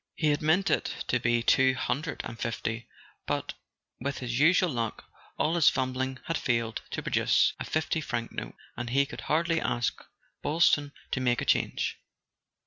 .." He had meant it to be two hundred and fifty; but, with his usual luck, all his fumbling had failed to pro¬ duce a fifty franc note; and he could hardly ask Boyl ston to "make the change."